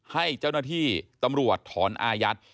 ให้เจ้าหน้าที่ตำรวจถอนอายัด